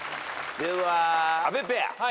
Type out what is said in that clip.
では阿部ペア。